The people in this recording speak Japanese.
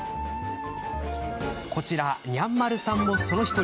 こちら、にゃんまるさんもその１人。